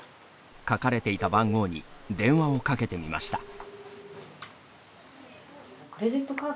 書かれていた番号に電話をかけてみました。